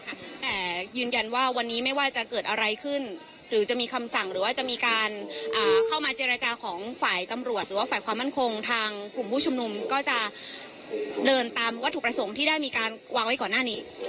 แต่ยืนยันว่าวันนี้ไม่ว่าจะเกิดอะไรขึ้นหรือจะมีคำสั่งหรือว่าจะมีการเข้ามาเจรจาของฝ่ายตำรวจหรือว่าฝ่ายความมั่นคงทางกลุ่มผู้ชุมนุมก็จะเดินตามวัตถุประสงค์ที่ได้มีการวางไว้ก่อนหน้านี้